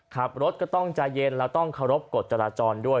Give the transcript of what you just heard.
ขับรถก็ต้องใจเย็นแล้วต้องเคารพกฎจราจรด้วย